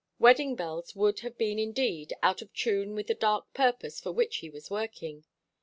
Wedding bells would have been indeed out of tune with the dark purpose for which he was working.